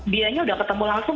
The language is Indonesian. dia nya udah ketemu langsung